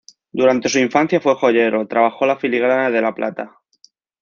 Durante su infancia fue joyero, trabajó la filigrana de la plata.